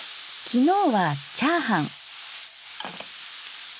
昨日はチャーハン。